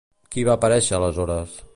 Qui va aparèixer aleshores?